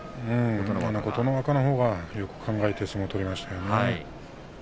琴ノ若のほうがよく考えて相撲を取りましたね。